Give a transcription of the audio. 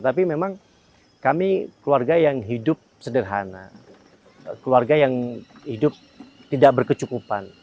tapi memang kami keluarga yang hidup sederhana keluarga yang hidup tidak berkecukupan